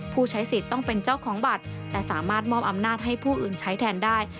ผู้ใช้สิทธิ์ต้องเป็นเจ้าของบัตรแต่สามารถมอบอำนาจให้ผู้อื่นใช้แทนได้